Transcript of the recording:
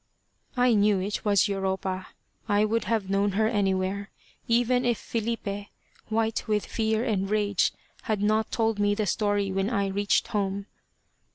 I knew it was Europa. I would have known her anywhere, even if Filipe, white with fear and rage, had not told me the story when I reached home.